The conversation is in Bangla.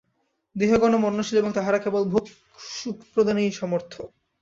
দেহগণও মরণশীল এবং তাঁহারা কেবল ভোগ সুখ-প্রদানেই সমর্থ।